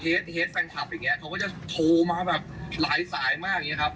เฮดแฟนคลับอย่างเงี้เขาก็จะโทรมาแบบหลายสายมากอย่างนี้ครับ